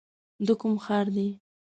د کوم ښار دی ؟